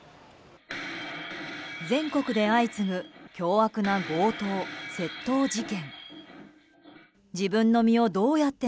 全国で相次ぐ凶悪な強盗・窃盗事件。